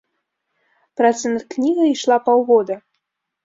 Праца над кнігай ішла паўгода.